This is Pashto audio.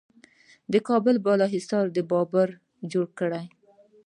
د کابل بالا حصار د بابر جوړ کړ